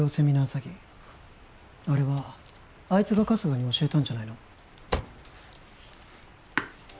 詐欺あれはあいつが春日に教えたんじゃないの？